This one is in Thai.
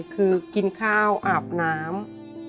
คือกินข้าวอาบน้ำ